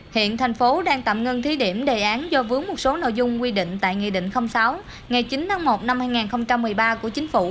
hiện thành phố đang tạm ngưng thí điểm đề án do vướng một số nội dung quy định tại nghị định sáu ngày chín tháng một năm hai nghìn một mươi ba của chính phủ